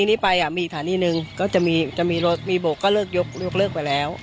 เสียมาไอ่นี่แล้วล่ะภักด์ใหญ่แล้ว